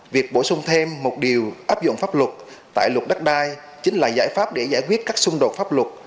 việc bổ sung thêm một điều áp dụng pháp luật tại luật đất đai chính là giải pháp để giải quyết các xung đột pháp luật